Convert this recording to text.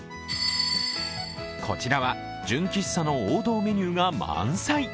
こちらは純喫茶の王道メニューが満載。